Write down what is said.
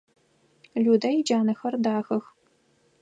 Людэ иджанэхэр дахэх.